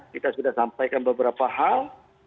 kita sudah sampaikan beberapa hal